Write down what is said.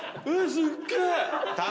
すっげえ！